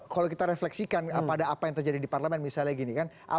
kalau kita refleksikan pada apa yang terjadi di parlemen misalnya gini kan